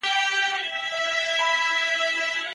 دا سندره شپږ بندونه لري او هره جمله یې لنډه ده.